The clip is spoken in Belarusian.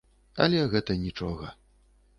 Але гэта нiчога...